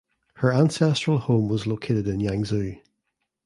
Her ancestral home was located in Yangzhou.